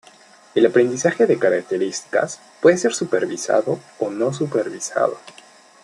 El aprendizaje de características puede ser supervisado o no supervisado.